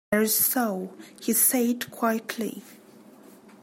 "That is so," he said quietly.